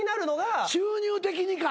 収入的にか。